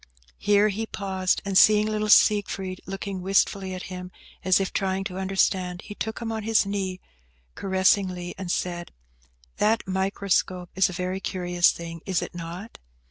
Here he paused, and seeing little Siegfried looking wistfully at him, as if trying to understand, he took him on his knee caressingly, and said, "That microscope is a very curious thing, is it not?"